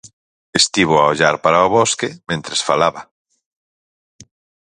"Estivo a ollar para o Bosque mentres falaba."